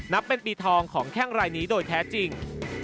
นับเป็นปีทองของแข้งรายนี้โดยแท้จริง